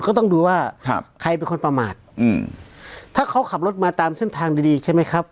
ก็ต้องดูว่าครับใครเป็นคนประมาทอืมถ้าเขาขับรถมาตามเส้นทางดีดีใช่ไหมครับ